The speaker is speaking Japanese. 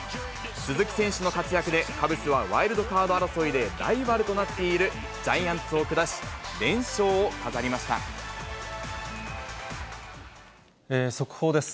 鈴木選手の活躍で、カブスは、ワイルドカード争いでライバルとなっているジャイアン速報です。